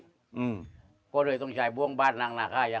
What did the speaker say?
บ๊วยบ๊วยบ๊วยบ๊วยบ๊วยบ๊วยบ๊วยที่ยังบ้างนาคนบรรจารา